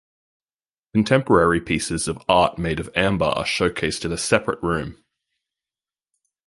Contemporary pieces of art made of amber are showcased in a separate room.